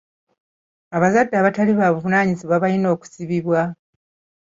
Abazadde abatali babuvunaanyizibwa balina kusibibwa.